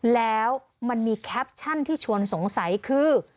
แล้วมันมีแคปชั่นที่ชวนสงสัยคือ